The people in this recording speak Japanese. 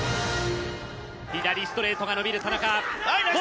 左ストレートが伸びる田中。